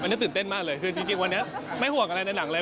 อันนี้ตื่นเต้นมากเลยคือจริงวันนี้ไม่ห่วงอะไรในหนังเลย